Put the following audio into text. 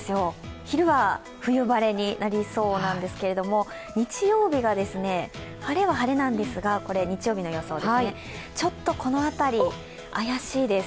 昼は冬晴れになりそうなんですけど日曜日が晴れは晴れなんですが、ちょっとこの辺り、怪しいです。